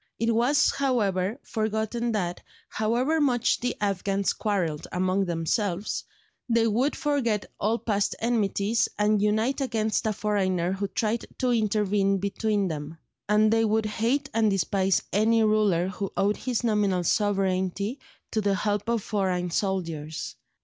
It was, however, forgotten that, however much the Afghans quarrelled among themselves, they would forget all past enmities and unite against a foreigner who tried to intervene between them; and they would hate and despise any ruler who owed his nominal sovereignty to the help of foreign soldiers.